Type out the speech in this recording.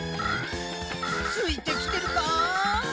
ついてきてるか？